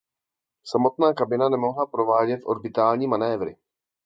Samotná kabina nemohla provádět orbitální manévry.